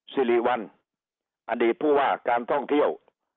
สิริวัลอดีตผู้ว่าการท่องเที่ยว